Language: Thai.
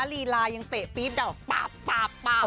สตันลีลายังเตะปี๊บเดี๋ยวป๊าบป๊าบป๊าบ